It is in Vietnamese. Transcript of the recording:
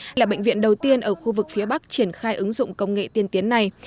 đây là bệnh viện đầu tiên ở khu vực phía bắc triển khai ứng dụng công nghệ tiên tiến này